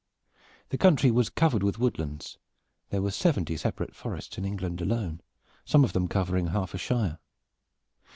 The country was covered with woodlands there were seventy separate forests in England alone, some of them covering half a shire.